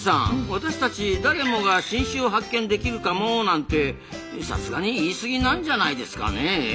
「私たち誰もが新種を発見できるかも」なんてさすがに言い過ぎなんじゃないですかね？